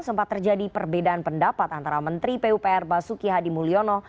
sempat terjadi perbedaan pendapat antara menteri pupr basuki hadi mulyono